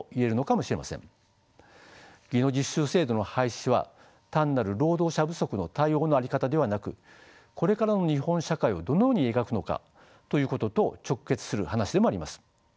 技能実習制度の廃止は単なる労働者不足の対応の在り方ではなくこれからの日本社会をどのように描くのかということと直結する話でもあります。